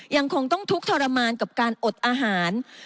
ยังคงต้องทุกข์ทรมานกับการอดอาหาร